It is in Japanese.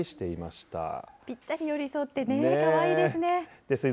ぴったり寄り添ってね、かわいいですね。